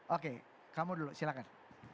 oke kamu dulu silakan